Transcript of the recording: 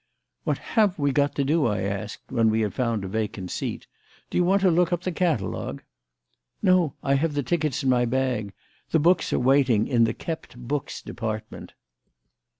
"What have we got to do?" I asked when we had found a vacant seat. "Do you want to look up the catalogue?" "No, I have the tickets in my bag. The books are waiting in the 'kept books' department."